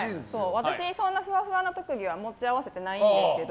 私、そんなふわふわな特技は持ち合わせてないんですけど